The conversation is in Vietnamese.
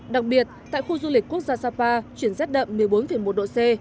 đặc biệt tại khu du lịch quốc gia sapa chuyển rét đậm một mươi bốn một độ c